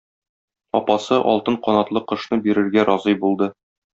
Апасы алтын канатлы кошны бирергә разый булды.